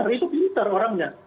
itu benar itu biliter orangnya